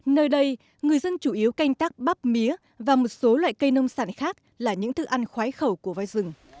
nơi đây người dân chủ yếu canh tác bắp mía và một số loại cây nông sản khác là những thức ăn khoái khẩu của voi rừng